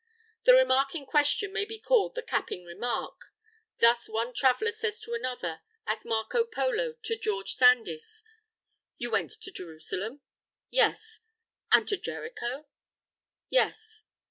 The remark in question may be called the capping remark. Thus one traveller says to another as Marco Polo to George Sandys "You went to Jerusalem?" "Yes." "And to Jericho?" "Yes."